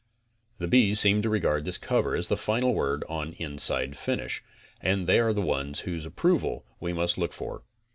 The bees seem to regard this cover as the final word on inside finish, and they are the ones whose approval we must look for.